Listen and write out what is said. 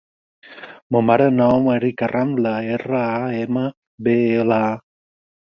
La meva mare es diu Erika Rambla: erra, a, ema, be, ela, a.